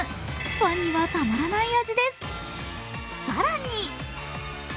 ファンにはたまらない味です。